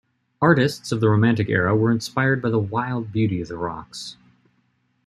Artistis of the Romantic era were inspired by the wild beauty of the rocks.